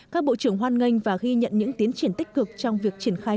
các bộ trưởng hoan nghênh và ghi nhận những tiến triển tích cực trong việc triển khai